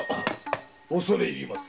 恐れ入ります。